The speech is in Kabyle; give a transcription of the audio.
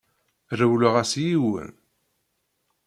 Rewleɣ-as i yiwen.